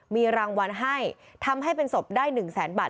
มีรางวัลให้ทำให้เป็นศพได้๑แสนบาท